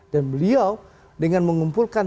dan beliau dengan mengumpulkan